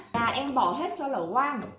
là em bỏ hết cho lẩu quang